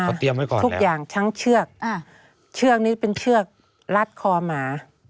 เขาเตรียมไว้ก่อนทุกอย่างทั้งเชือกเชือกนี้เป็นเชือกรัดคอหมา